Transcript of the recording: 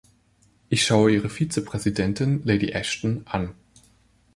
Ich schaue Ihre Vizepräsidentin, Lady Ashton, an.